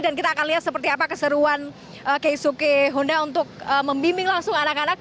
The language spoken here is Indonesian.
dan kita akan lihat seperti apa keseruan keisuke honda untuk membimbing langsung anak anak